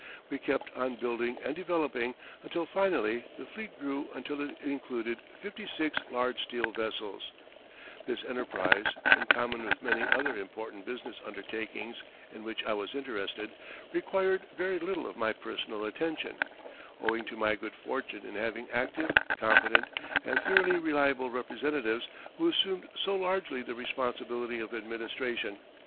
We kept on building and developing until finally the fleet grew until it included fifty six large steel vessels, This enterprise, in common with many other important business undertakings in which I was interested, required very little of my personal attention, owing to my good fortune in having active, competent, and thoroughly reliable representatives who assumed so largely the responsibilities of administration.